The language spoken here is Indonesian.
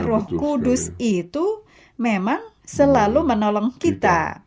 roh kudus itu memang selalu menolong kita